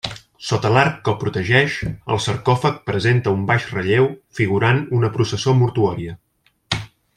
Sota l'arc que el protegeix, el sarcòfag presenta un baix relleu figurant una processó mortuòria.